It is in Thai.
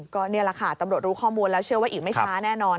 ก็นี่แหละค่ะตำรวจรู้ข้อมูลแล้วเชื่อว่าอีกไม่ช้าแน่นอน